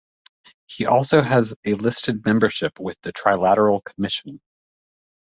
He also has a listed membership with the Trilateral Commission.